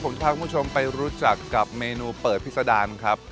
ผมพาคุณผู้ชมไปรู้จักกับเมนูเปิดพิษดารครับ